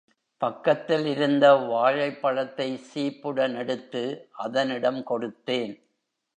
பக்கத்தில் இருந்த வாழைப்பழத்தை சீப்புடன் எடுத்து அதனிடம் கொடுத்தேன்.